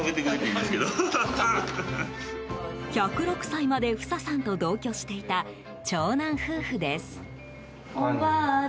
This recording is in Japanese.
１０６歳までフサさんと同居していた長男夫婦です。